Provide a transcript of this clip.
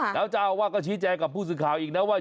แล้วเจ้าอาวาสก็ชี้แจงกับผู้สื่อข่าวอีกนะว่า